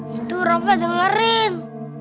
itu rafa dengerin